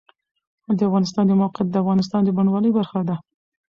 د افغانستان د موقعیت د افغانستان د بڼوالۍ برخه ده.